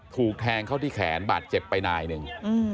ถูกแทงเข้าที่แขนบาดเจ็บไปนายหนึ่ง